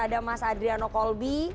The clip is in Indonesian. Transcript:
ada mas adriano kolbi